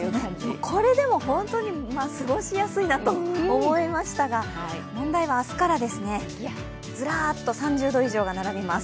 これでも本当に過ごしやすいなと思いましたが、問題は明日からですねずらーっと３０度以上が並びます。